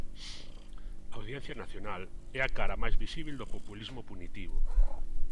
A Audiencia Nacional é a cara máis visíbel do populismo punitivo.